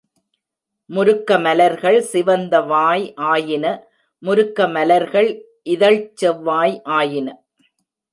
முருக்கமலர்கள் சிவந்த வாய் ஆயின முருக்க மலர்கள் இதழ்ச் செவ்வாய் ஆயின.